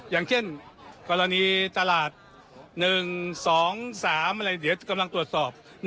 อย่างเช่นกรณีตลาด๑๒๓อะไรเดี๋ยวกำลังตรวจสอบ